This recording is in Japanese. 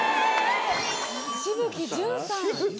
紫吹淳さん。